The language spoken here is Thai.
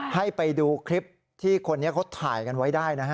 ให้ไปดูคลิปที่คนนี้เขาถ่ายกันไว้ได้นะฮะ